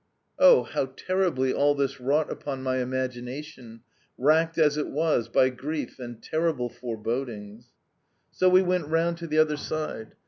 Oh, how terribly all this wrought upon my imagination, racked as it was by grief and terrible forebodings! So we went round to the other side.